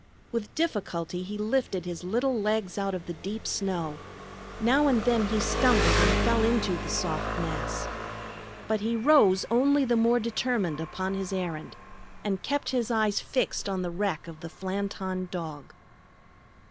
With difficulty he lifted his little legs out of the deep snow; now and then he stumbled and fell into the soft mass. But he rose only the more determined upon his errand, and kept his eyes fixed on the wreck of the Flanton Dog.